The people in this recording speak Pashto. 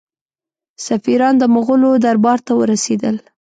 سفیران د مغولو دربار ته ورسېدل.